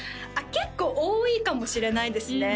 結構多いかもしれないですね